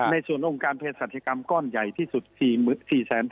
ในส่วนองค์การเพศศาชกรรมก้อนใหญ่ที่สุด๔๓๐๐๐๐ชิ้น